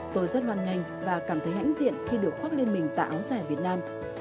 tôi rất loàn ngành và cảm thấy hãnh diện khi được khoác lên mình tại áo dài việt nam